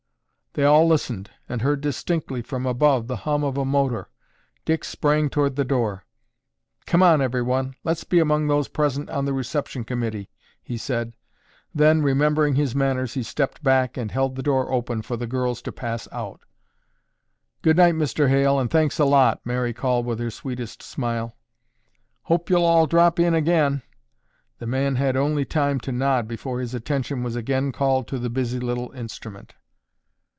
They all listened and heard distinctly from above the hum of a motor. Dick sprang toward the door. "Come on, everyone, let's be among those present on the reception committee," he said. Then, remembering his manners, he stepped back and held the door open for the girls to pass out. "Good night, Mr. Hale, and thanks a lot," Mary called with her sweetest smile. "Hope you'll all drop in again." The man had only time to nod before his attention was again called to the busy little instrument.